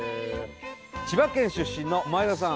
千葉出身の前田さん